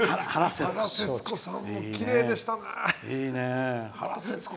原節子さんもきれいでしたね。